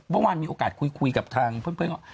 เมื่อวานมีโอกาสคุยกับทางเพื่อนว่า